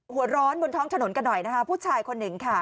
หัวร้อนบนท้องถนนกันหน่อยนะคะผู้ชายคนหนึ่งค่ะ